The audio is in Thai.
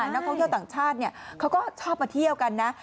นักท่องเที่ยวต่างชาติเขาก็ชอบมาเที่ยวกันนะ